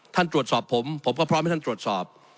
ท่านตรวจสอบผมผมก็พร้อมให้ท่านตรวจสอบ